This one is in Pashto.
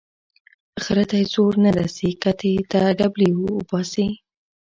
ـ خره ته يې زور نه رسي کتې ته ډبلي اوباسي.